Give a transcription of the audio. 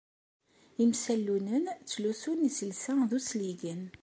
Imsallunen ttlusun iselsa d usligen.